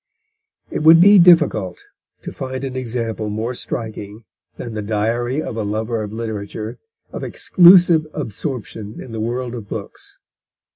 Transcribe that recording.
It would be difficult to find an example more striking than the Diary of a Lover of Literature of exclusive absorption in the world of books.